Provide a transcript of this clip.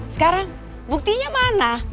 sekarang buktinya mana